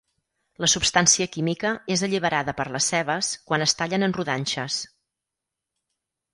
La substància química és alliberada per les cebes quan es tallen en rodanxes.